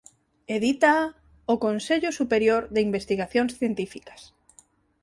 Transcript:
Edítaa o Consello Superior de Investigacións Científicas.